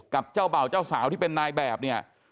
กับเจ้าเบ่าเจ้าสาวที่เป็นนายแบบเนี่ย